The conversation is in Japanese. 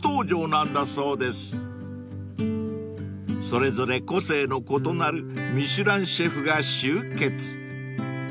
［それぞれ個性の異なるミシュランシェフが集結］